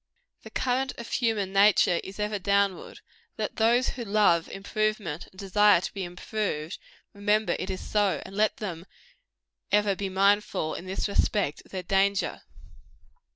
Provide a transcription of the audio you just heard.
The current of human nature is ever downward: let those who love improvement and desire to be improved, remember it is so; and let them ever be mindful, in this respect, of their danger.